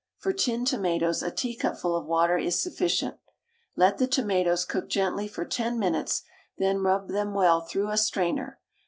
For tinned tomatoes a teacupful of water is sufficient. Let the tomatoes cook gently for 10 minutes, then rub them well through a strainer.